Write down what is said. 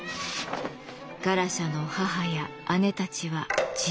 ガラシャの母や姉たちは自害。